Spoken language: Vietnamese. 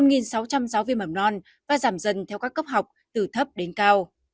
một sáu trăm linh giáo viên mầm non và giảm dần theo các cấp học từ thấp đến cao